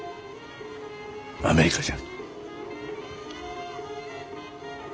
アメリカじゃ。